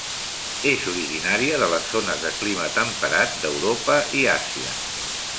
És originària de les zones de clima temperat d'Europa i Àsia.